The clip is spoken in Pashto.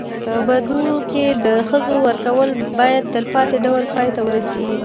په بدو کي د ښځو ورکول باید تلپاتي ډول پای ته ورسېږي.